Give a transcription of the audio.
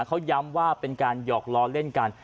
เขาย้ำว่าเป็นการหยอกล้อเล่นกัน